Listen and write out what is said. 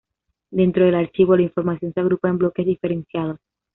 Dentro del archivo la información se agrupa en bloques diferenciados.